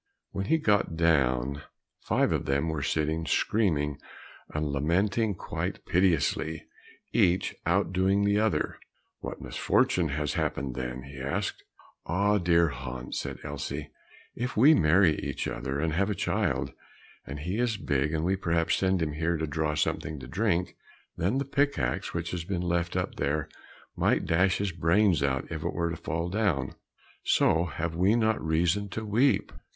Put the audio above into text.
When he got down, five of them were sitting screaming and lamenting quite piteously, each out doing the other. "What misfortune has happened then?" he asked. "Ah, dear Hans," said Elsie, "if we marry each other and have a child, and he is big, and we perhaps send him here to draw something to drink, then the pick axe which has been left up there might dash his brains out if it were to fall down, so have we not reason to weep?"